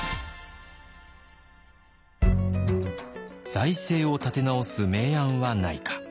財政を立て直す名案はないか。